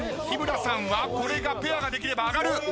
日村さんはこれがペアができれば上がる。